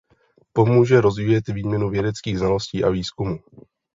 Pomůže rozvíjet výměnu vědeckých znalostí a výzkumu.